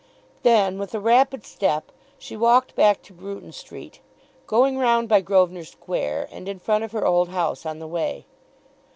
Then with a rapid step she walked back to Bruton Street, going round by Grosvenor Square and in front of her old house on the way.